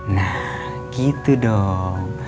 nah gitu dong